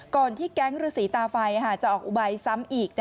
ก่อนที่แก๊งฤษีตาไฟจะออกอุบายซ้ำอีก